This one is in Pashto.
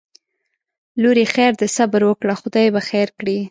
لورې خیر دی صبر وکړه خدای به خیر کړي